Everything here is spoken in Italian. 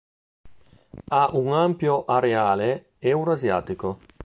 Ha un ampio areale euro-asiatico.